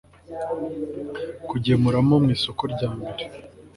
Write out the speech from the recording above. kugemuramo mu isoko rya mbere